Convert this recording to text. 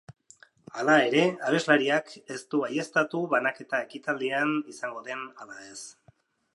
Hala ere, abeslariak ez du baieztatu banaketa ekitaldian izango den ala ez.